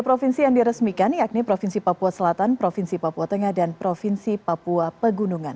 tiga provinsi yang diresmikan yakni provinsi papua selatan provinsi papua tengah dan provinsi papua pegunungan